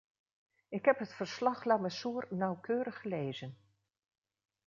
Ik heb het verslag-Lamassoure nauwkeurig gelezen.